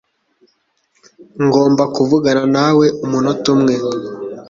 Ngomba kuvugana nawe umunota umwe.